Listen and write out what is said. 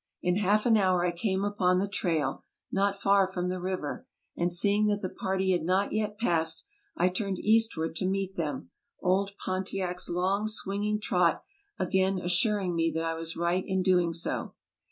In half an hour I came upon the trail, not far from the river; and see ing that the party had not yet passed, I turned eastward to meet them, old Pontiac's long, swinging trot again assuring me that I was right in doing so.